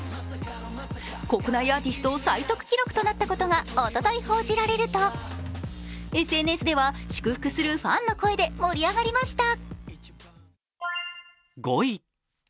国内アーティスト最速記録となったことがおととい報じられるとＳＮＳでは祝福するファンの声で盛り上がりました。